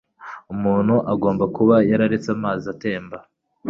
Umuntu agomba kuba yararetse amazi atemba.